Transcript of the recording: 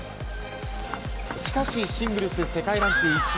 しかしシングルス世界ランク１位